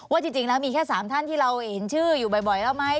จริงแล้วมีแค่๓ท่านที่เราเห็นชื่ออยู่บ่อยแล้วไหม